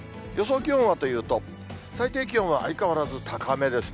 気温はというと、最低気温は相変わらず高めですね。